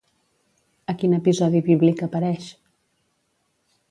A quin episodi bíblic apareix?